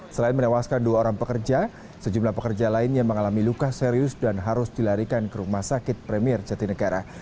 selain menewaskan dua orang pekerja sejumlah pekerja lain yang mengalami luka serius dan harus dilarikan ke rumah sakit premier jatinegara